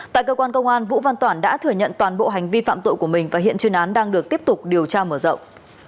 tại cơ quan công an vũ văn toản đã thừa nhận toàn bộ hành vi phạm tội của mình và hiện chuyên án đang được tiếp tục điều tra mở rộng